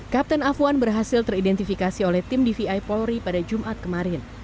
kapten afwan berhasil teridentifikasi oleh tim dvi polri pada jumat kemarin